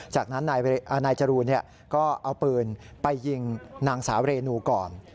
จากนั้นนายจรูนก็เอาปืนไปยิงนางสาวเรนูก่อน